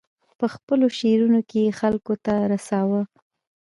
په خپلو شعرونو کې یې خلکو ته رساوه.